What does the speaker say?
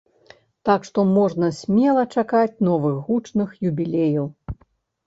Так што можна смела чакаць новых гучных юбілеяў.